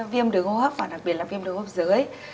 viêm đứng hô hấp và đặc biệt là viêm đứng hô hấp dưới